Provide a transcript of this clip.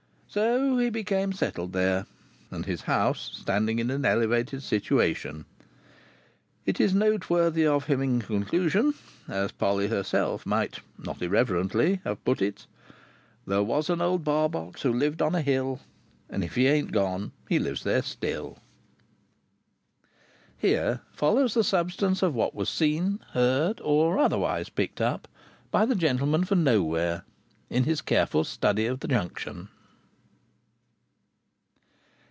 So, he became settled there, and, his house standing in an elevated situation, it is noteworthy of him in conclusion, as Polly herself might (not irreverently) have put it: There was an Old Barbox who lived on a hill, And if he ain't gone, he lives there still. HERE FOLLOWS THE SUBSTANCE OF WHAT WAS SEEN, HEARD, OR OTHERWISE PICKED UP, BY THE GENTLEMAN FOR NOWHERE, IN HIS CAREFUL STUDY OF THE JUNCTION.